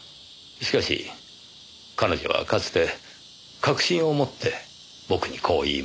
しかし彼女はかつて確信を持って僕にこう言いました。